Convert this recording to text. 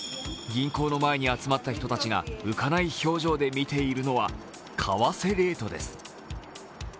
銀行の前に集まった人たちが浮かない表情で見ているのは為替レートです。